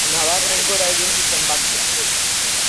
Nabarmen gora egin du zenbakiak.